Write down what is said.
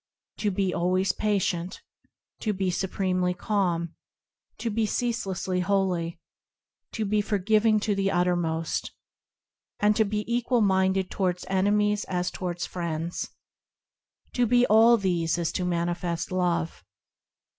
To be always patient, To be supremely calm, To be ceaselessly holy, To be forgiving to the uttermost, And to be equal minded towards enemies as towards friends,– To be all these is to manifest Love.